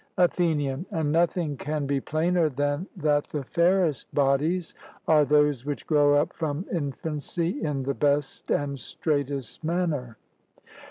ATHENIAN: And nothing can be plainer than that the fairest bodies are those which grow up from infancy in the best and straightest manner?